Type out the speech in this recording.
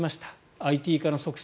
ＩＴ化の促進